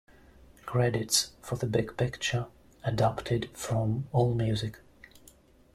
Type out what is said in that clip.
Credits for "The Big Picture" adapted from Allmusic.